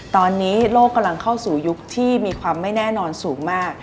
ตอนนี้โลกกำลังเข้าสู่ยุคที่มีความไม่แน่นอนสูงมาก